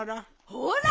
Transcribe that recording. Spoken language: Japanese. ほら！